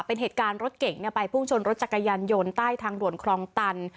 เป็นเหตุการณ์รถเก่งไปพุ่งชนรถจักรยานยนต์ใต้ทางด่วนคลองตัน